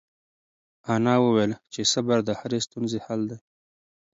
انا وویل چې صبر د هرې ستونزې حل دی.